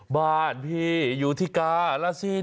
บ้านพี่อยู่ที่กาลาซิน